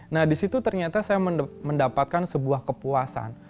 nah disitu ternyata saya mendapatkan sebuah kepuasan